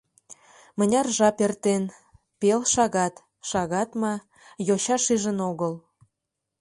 Мыняр жап эртен — пел шагат, шагат ма — йоча шижын огыл.